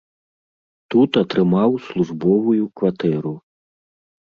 Тут атрымаў службовую кватэру.